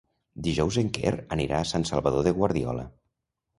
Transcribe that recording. Dijous en Quer anirà a Sant Salvador de Guardiola.